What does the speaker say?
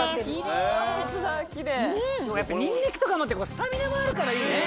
ニンニクとかのってスタミナもあるからいいね。